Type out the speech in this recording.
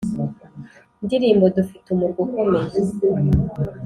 ndirimbo: Dufite umurwa ukomeye